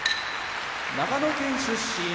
長野県出身